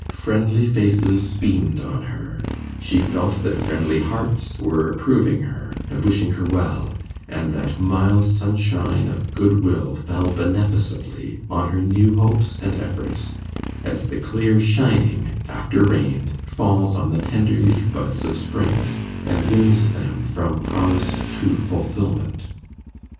Friendly faces beamed on her; she felt that friendly hearts were approving her, and wishing her well, and that mild sunshine of goodwill fell beneficently on her new hopes and efforts, as the clear shining after rain falls on the tender leaf buds of spring, and wins them from promise to fulfilment.